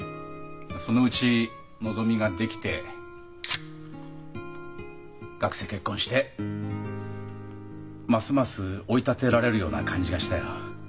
そのうちのぞみが出来て学生結婚してますます追い立てられるような感じがしたよ。